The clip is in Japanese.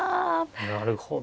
なるほど。